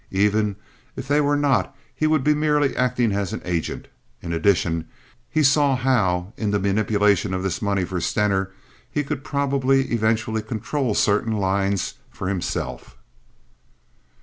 Even if they were not he would be merely acting as an agent. In addition, he saw how in the manipulation of this money for Stener he could probably eventually control certain lines for himself.